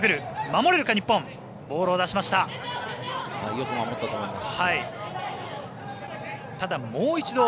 よく守ったと思います。